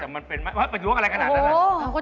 แต่มันเป็นอะไรขนาดนั้น